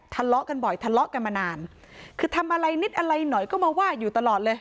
ทะเลาะกันบ่อยทะเลาะกันมานานคือทำอะไรนิดอะไรหน่อยก็มาว่าอยู่ตลอดเลย